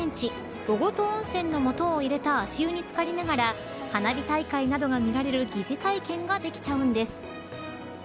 おごと温泉の素をいれた足湯に漬かりながら花火大会などが見られる疑似体験ができちゃうんです。